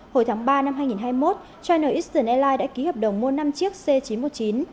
hồi tháng ba năm hai nghìn hai mươi một china isian airlines đã ký hợp đồng mua năm chiếc c chín trăm một mươi chín